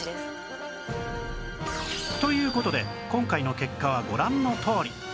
という事で今回の結果はご覧のとおり